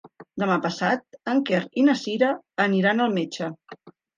Demà passat en Quer i na Cira aniran al metge.